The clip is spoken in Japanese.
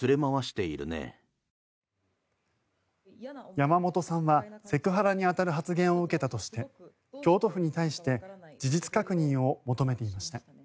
山本さんはセクハラに当たる発言を受けたとして京都府に対して事実確認を求めていました。